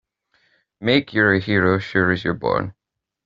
Make you're a hero sure as you're born!